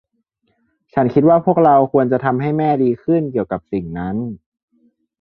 ฉันคิดว่าพวกเราควรทำให้แม่ดีขึ้นเกี่ยวกับสิ่งนั้น